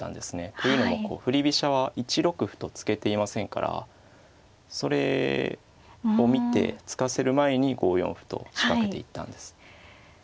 というのも振り飛車は１六歩と突けていませんからそれを見て突かせる前に５四歩と仕掛けていったんです。